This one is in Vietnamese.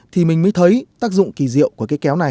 thì mình mới thấy tác dụng kỳ diệu của cái kéo này